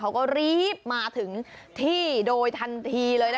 เขาก็รีบมาถึงที่โดยทันทีเลยนะคะ